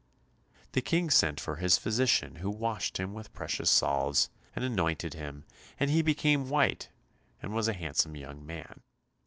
The King sent for his physician who washed him with precious salves, and anointed him, and he became white, and was a handsome young man.